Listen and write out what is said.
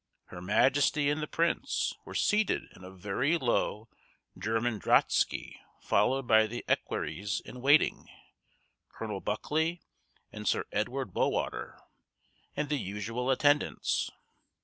Her Majesty and the Prince were seated in a very low German drotschky followed by the equerries in waiting, Colonel Buckley and Sir Edward Bowater, and the usual attendants.